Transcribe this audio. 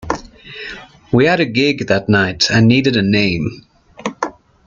We had a gig that night and needed a name.